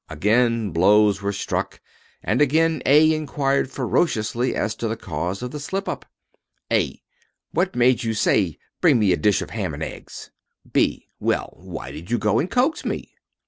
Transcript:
Again blows were struck and again A inquired ferociously as to the cause of the slip up. A What made you say, "Bring me a dish of ham and eggs?" B Well, why did you go and coax me?